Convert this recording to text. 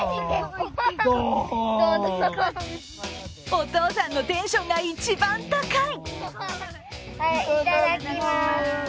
お父さんのテンションが一番高い！